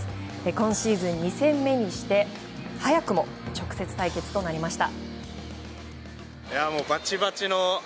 今シーズン２戦目にして早くも直接対決となりました。